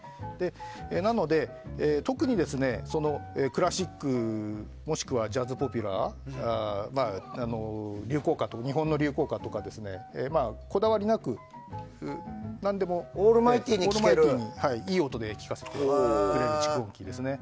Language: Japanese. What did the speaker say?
なので、特にクラシックもしくはジャズ、ポピュラー日本の流行歌とか、こだわりなく何でもオールマイティーにいい音で聴かせてくれる蓄音機ですね。